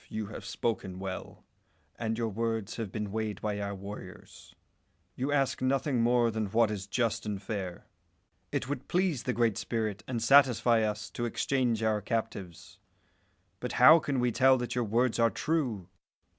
you have spoken well, and your words have been weighed by our warriors. You ask nothing more than what is just and fair. It would please the Great Spirit and satisfy us to exchange our captives; but how can we tell that your words are true?